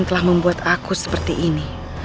telah membuat aku seperti ini